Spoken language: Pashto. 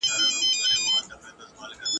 خو ستا صبر هرګز نه دی د ستایلو !.